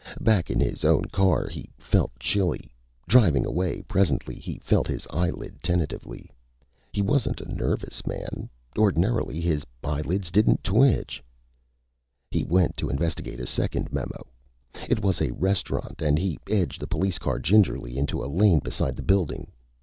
Back in his own car he felt chilly. Driving away, presently, he felt his eyelid tentatively. He wasn't a nervous man. Ordinarily his eyelids didn't twitch. He went to investigate a second memo. It was a restaurant, and he edged the police car gingerly into a lane beside the building.